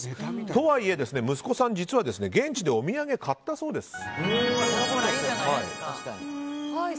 とはいえ、息子さん実は現地でお土産を買ったそうです。